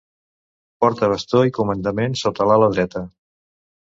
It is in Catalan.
Porta bastó de comandament sota l'ala dreta.